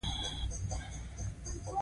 جنګ زور اخیستی وو.